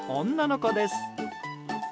女の子です。